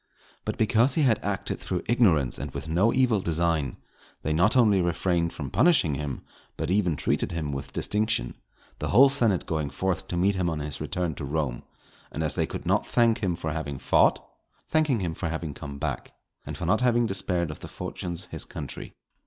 But because he had acted through ignorance and with no evil design, they not only refrained from punishing him, but even treated him with distinction; the whole senate going forth to meet him on his return to Rome, and as they could not thank him for having fought, thanking him for having come back, and for not having despaired of the fortunes his country.